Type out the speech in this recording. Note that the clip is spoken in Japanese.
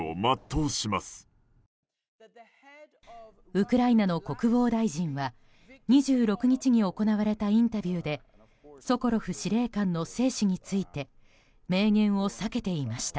ウクライナの国防大臣は２６日に行われたインタビューでソコロフ司令官の生死について明言を避けていました。